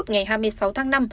ngày hai mươi sáu tháng năm